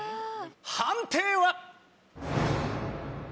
判定は？